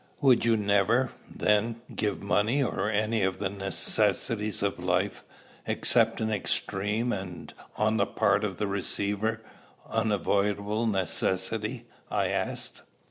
"Would you never, then, give money, or any of the necessaries of life, except in extreme, and, on the part of the receiver, unavoidable necessity?" I asked.